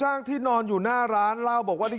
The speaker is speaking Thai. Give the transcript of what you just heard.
จะขัดแย้งกับร้านไหนหรือเปล่า